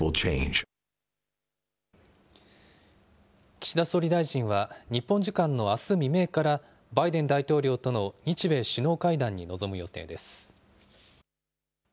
岸田総理大臣は、日本時間のあす未明からバイデン大統領との日米首脳会談に臨む予定です。